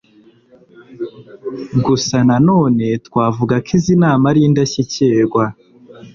gusa na none twavuga ko izi nama ari indashyikirwa